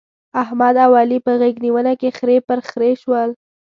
احمد او علي په غېږ نيونه کې خرې پر خرې شول.